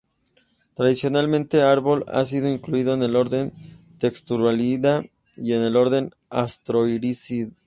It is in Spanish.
Tradicionalmente "Arbor" ha sido incluido en el orden Textulariida o en el orden Astrorhizida.